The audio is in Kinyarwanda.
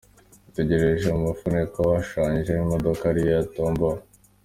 Witegereje mu mufuniko hashushanyijemo imodoka ariyo yatombowe.